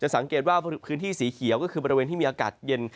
สังเกตว่าพื้นที่สีเขียวก็คือบริเวณที่มีอากาศเย็น